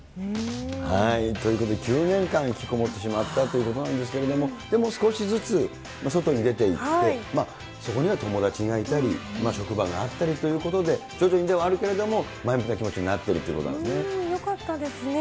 ということで、９年間ひきこもってしまったということなんですけれども、でも少しずつ外に出ていって、そこには友達がいたり、職場があったりということで、徐々にではあるけれども、前向きな気持ちになっているということよかったですね。